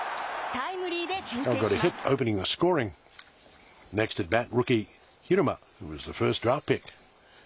タイムリーで先制します。